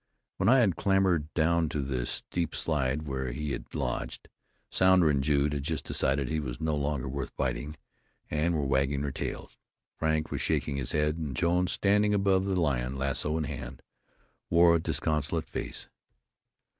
When I had clambered down to the steep slide where he had lodged, Sounder and Jude had just decided he was no longer worth biting, and were wagging their tails. Frank was shaking his head, and Jones, standing above the lion, lasso in hand, wore a disconsolate face.